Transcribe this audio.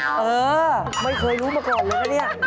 เออไม่เคยรู้มาก่อนเลยนะเนี่ย